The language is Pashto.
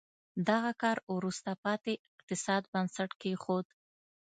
دغه کار وروسته پاتې اقتصاد بنسټ کېښود.